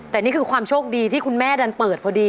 แต่นี่คือความโชคดีที่คุณแม่ดันเปิดพอดี